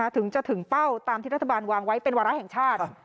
ถึงจะถึงเป้าตามที่รัฐบาลวางไว้เป็นวาระแห่งชาติ